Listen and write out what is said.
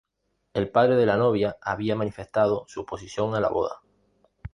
El padre de la novia había manifestado su oposición a la boda.